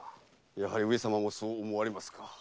やはり上様もそう思われますか？